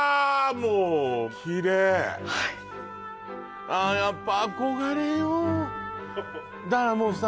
もうキレイはいああやっぱ憧れよだからもうさ